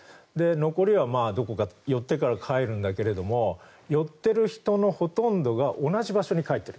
残りはどこか寄ってから帰るんだけど寄っている人のほとんどが同じ場所に帰っている。